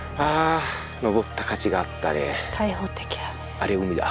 あれ海だ。